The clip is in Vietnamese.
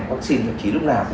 vaccine thậm chí lúc nào